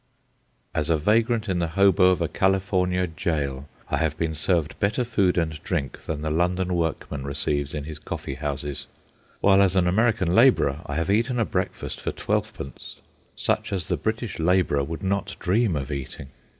As a vagrant in the "Hobo" of a California jail, I have been served better food and drink than the London workman receives in his coffee houses; while as an American labourer I have eaten a breakfast for twelvepence such as the British labourer would not dream of eating.